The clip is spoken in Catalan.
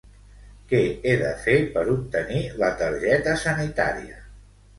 Què he de fer per obtenir la targeta sanitària?